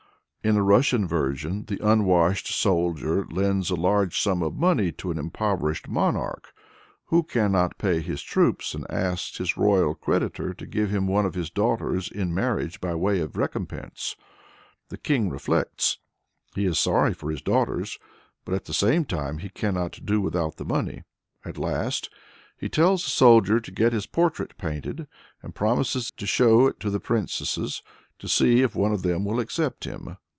In a Russian version, the unwashed soldier lends a large sum of money to an impoverished monarch, who cannot pay his troops, and asks his royal creditor to give him one of his daughters in marriage by way of recompense. The king reflects. He is sorry for his daughters, but at the same time he cannot do without the money. At last, he tells the soldier to get his portrait painted, and promises to show it to the princesses, and see if one of them will accept him.